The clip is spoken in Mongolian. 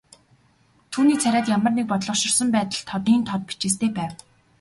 Түүний царайд ямар нэг бодлогоширсон байдал тодын тод бичээстэй байв.